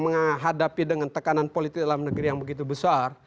menghadapi dengan tekanan politik dalam negeri yang begitu besar